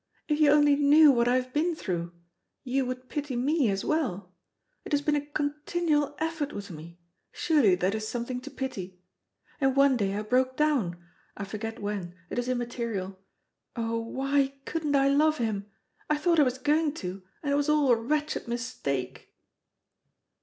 If you only knew what I have been through you would pity me as well. It has been a continual effort with me; surely that is something to pity. And one day I broke down; I forget when, it is immaterial. Oh, why couldn't I love him! I thought I was going to, and it was all a wretched mistake."